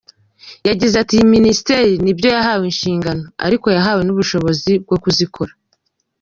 Yagize ati "Iyi Minisiteri nibyo yahawe inshingano ariko yahawe n’ubushobozi bwo kuzikora.